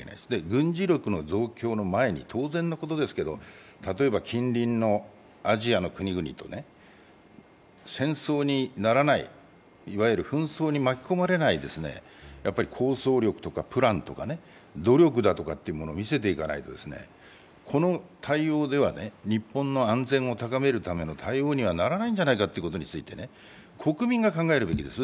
軍事力の増強の前に、当然のことですが、例えば近隣のアジアの国々と戦争にならない、いわゆる紛争に巻き込まれない構想力とかプランとか努力だとかというものを見せていかないと、この対応では日本の安全を高めるための対応にはならないんじゃないかということについて国民が考えるべきです。